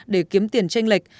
để kiếm tiền tranh lệch